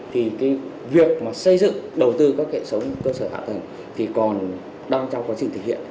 thì việc xây dựng đầu tư các hệ thống cơ sở hạ thần còn đang trong quá trình thực hiện